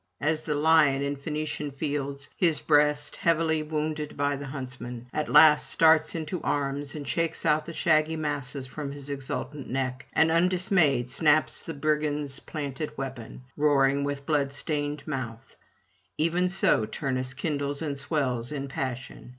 As the lion in Phoenician fields, his breast heavily wounded by the huntsmen, at last starts into arms, and shakes out the shaggy masses from his exultant neck, and undismayed snaps the brigand's planted weapon, roaring with blood stained mouth; even so Turnus kindles and swells in passion.